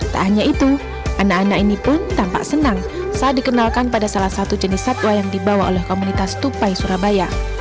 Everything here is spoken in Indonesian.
tak hanya itu anak anak ini pun tampak senang saat dikenalkan pada salah satu jenis satwa yang dibawa oleh komunitas tupai surabaya